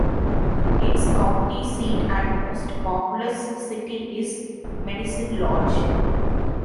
Its county seat and most populous city is Medicine Lodge.